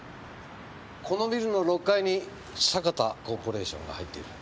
このビルの６階に坂田コーポレーションが入っている。